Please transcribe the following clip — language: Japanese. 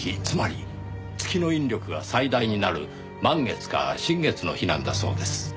つまり月の引力が最大になる満月か新月の日なんだそうです。